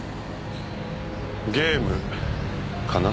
ゲームかな。